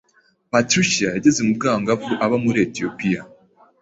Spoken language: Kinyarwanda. Patricia yageze mu bwangavu aba muri Etiyopiya